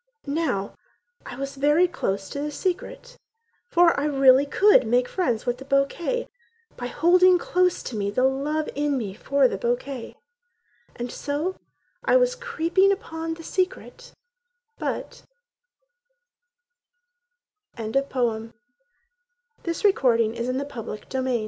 Now I was very close to the secret, For I really could make friends with the bouquet By holding close to me the love in me for the bouquet And so I was creeping upon the secret, but— Julian Scott Toward the last The truth of oth